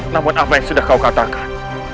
namun apa yang sudah kau katakan